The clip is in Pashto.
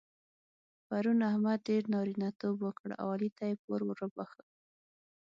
پرون احمد ډېر نارینتوب وکړ او علي ته يې پور ور وباښه.